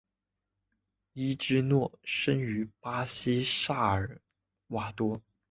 伊芝诺生于巴西萨尔瓦多。